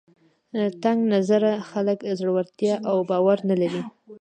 تنګ نظره خلک زړورتیا او باور نه لري